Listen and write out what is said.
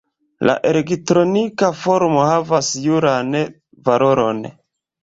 La elektronika formo havas juran valoron.